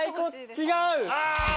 違う！